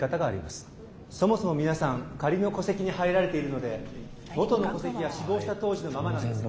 そもそも皆さん仮の戸籍に入られているのでもとの戸籍は死亡した当時のままなんですから。